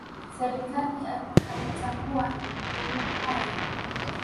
Serikali haitakuwa na muhali kwa mtendaji yoyote ambae hatowajibika katika utekelezaji wa majukumu yake